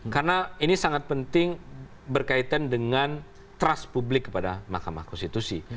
karena ini sangat penting berkaitan dengan trust publik kepada mahkamah konstitusi